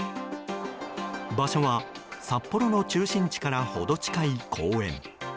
場所は札幌の中心部から程近い公園。